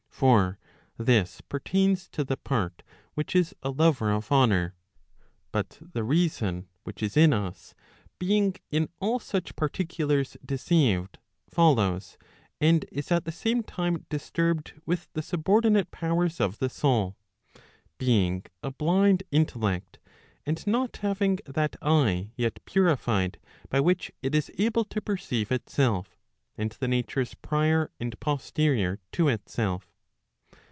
For this pertains to the part which is a lover of honour. But the reason which is in us, being in all such particulars deceived, follows and is at the same time disturbed with the subordinate powers of the soul, being a blind intellect, and not having that eye ' yet purified, by which it is able to perceive itself, and the natures prior and posterior to itself.